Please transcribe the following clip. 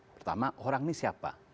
pertama orang ini siapa